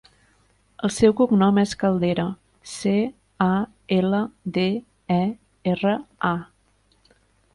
El seu cognom és Caldera: ce, a, ela, de, e, erra, a.